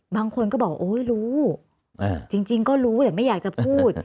บางคนก็บอกโอ๊ยรู้จริงก็รู้แต่ไม่อยากจะพูด